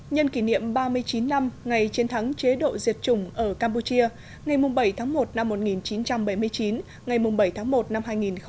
nhân kỷ niệm ba mươi chín năm ngày chiến thắng chế độ diệt chủng ở campuchia ngày bảy tháng một năm một nghìn chín trăm bảy mươi chín ngày bảy tháng một năm hai nghìn một mươi chín